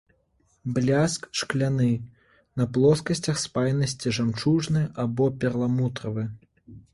Бляск шкляны, на плоскасцях спайнасці жамчужны або перламутравы.